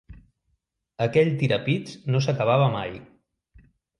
Aquell tirapits no s'acabava mai.